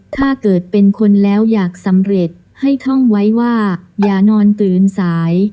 ถ้าเกิดเป็นคนแล้วอยากสำเร็จให้ท่องไว้ว่าอย่านอนตื่นสาย